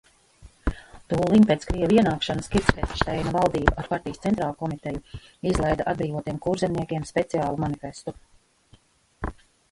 Tūliņ pēc krievu ienākšanas Kirchenšteina valdība ar partijas centrālkomiteju izlaida atbrīvotiem kurzemniekiem speciālu manifestu.